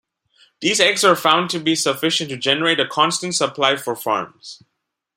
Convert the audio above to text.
These eggs were found to be sufficient to generate a constant supply for farms.